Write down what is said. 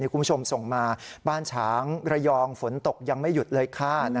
คุณผู้ชมส่งมาบ้านฉางระยองฝนตกยังไม่หยุดเลยค่ะ